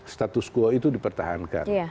status quo itu dipertahankan